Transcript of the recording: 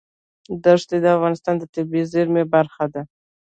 دښتې د افغانستان د طبیعي زیرمو برخه ده.